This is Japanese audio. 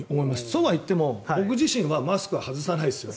そうはいっても僕自身はマスクは外さないですよ。